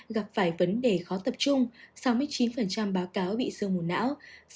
gặp phải vấn đề khó tập trung sáu mươi chín báo cáo bị sương mù não